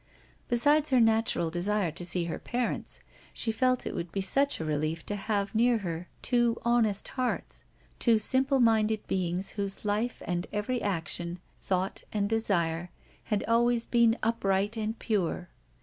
Besides her natural desire to see her parents, she felt it would be such a relief to have near her two honest hearts, two simple minded beings whose life and every action, thought and desire had always been upright and pure.